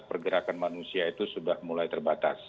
pergerakan manusia itu sudah mulai terbatas